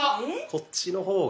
⁉こっちの方が。